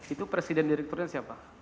itu presiden direkturnya siapa